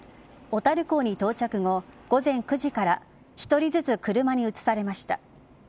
小樽港に到着後、午前９時から１人ずつ車に移されました。